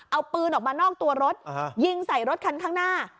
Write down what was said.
เอาปืนออกมานอกตัวรถยิงใส่รถคันข้างหน้า